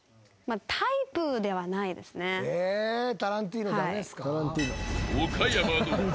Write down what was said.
えタランティーノ駄目ですか？